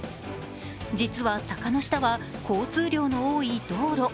実は坂の下は、交通量の多い道路。